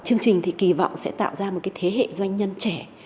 chương trình thì kỳ vọng sẽ tạo ra một cái thế hệ doanh nhân trẻ